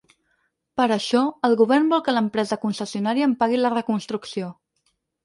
Per això, el govern vol que l’empresa concessionària en pagui la reconstrucció.